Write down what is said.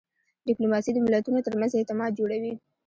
ډیپلوماسي د ملتونو ترمنځ اعتماد جوړوي.